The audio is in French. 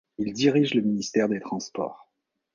Ils dirigent le ministère des Transports.